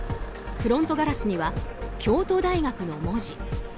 フロントガラスには京都大学の文字。